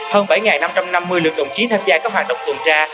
hơn bảy năm trăm năm mươi lượt đồng chí tham gia các hoạt động tuần tra